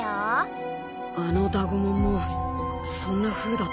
あのダゴモンもそんなふうだったな。